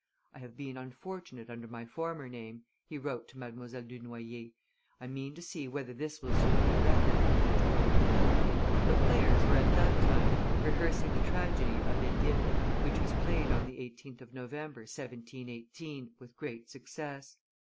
"I have been too unfortunate under my former name," he wrote to Mdlle. du Noy er; "I mean to see whether this will suit me better." The players were at that time rehearsing the tragedy of OEdipe, which was played on the 18th of November, 1718, with great success.